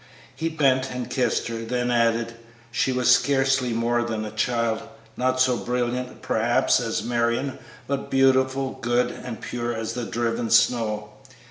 He bent and kissed her, then added: "She was scarcely more than a child; not so brilliant, perhaps, as Marion, but beautiful, good, and pure as the driven snow."